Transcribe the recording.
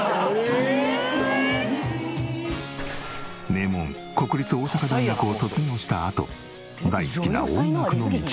名門国立大阪大学を卒業したあと大好きな音楽の道へ。